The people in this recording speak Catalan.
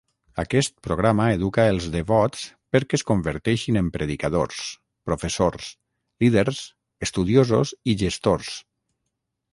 Aquest programa educa els devots perquè es converteixin en predicadors, professors, líders, estudiosos i gestors.